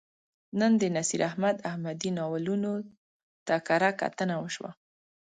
نن د نصیر احمد احمدي ناولونو ته کرهکتنه وشوه.